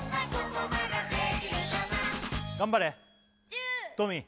頑張れトミー